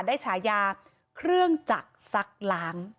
ฉายาเครื่องจักรซักล้าง